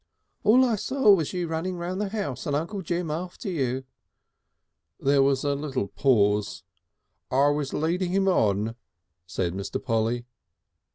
"All I saw was you running round the house and Uncle Jim after you." There was a little pause. "I was leading him on," said Mr. Polly.